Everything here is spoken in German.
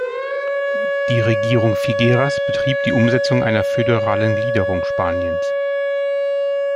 Die Regierung Figueras betrieb die Umsetzung einer föderalen Gliederung Spaniens.